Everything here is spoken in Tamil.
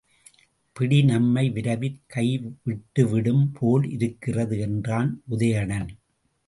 பிடி நம்மை விரைவிற் கைவிட்டுவிடும் போலிருக்கிறது என்றான் உதயணன்.